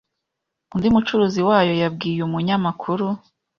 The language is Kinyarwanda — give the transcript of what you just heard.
Undi 'mucuruzi' wayo yabwiye umunyamakuru